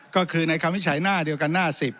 ก็คือในคำวิจัยหน้าเดียวกันหน้า๑๐